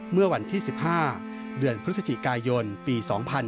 เมื่อวันที่๑๕เดือนพฤศจิกายนปี๒๕๕๙